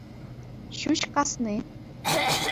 Ҫӳҫ касни.